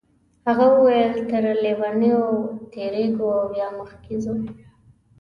هغه وویل تر لویینو تیریږو او بیا مخکې ځو.